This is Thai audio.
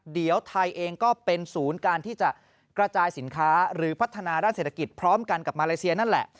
เดี๋ยวไทยเองก็เป็นศูนย์การที่จะกระจายสินค้าหรือพัฒนาด้านเศรษฐกิจพร้อมกันกับมาเลเซียนั่นแหละ